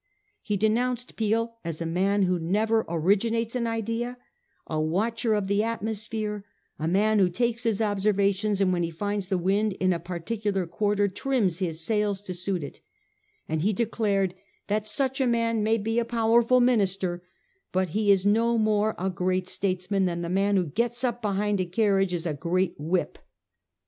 He denounced Peel as { a man who never originates an idea ; a watcher of the atmosphere ; a man who takes his observations, and when he finds the wind in a particular quarter trims his sails to suit it ;' and he declared that ' such a man may be a powerful minister, but he is no more a great'states man than the man who gets up behind a carriage is a great whip.